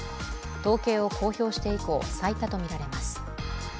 統計を公表して以降、最多とみられます。